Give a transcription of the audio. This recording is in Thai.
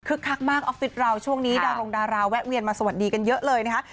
คักมากออฟฟิศเราช่วงนี้ดารงดาราแวะเวียนมาสวัสดีกันเยอะเลยนะคะ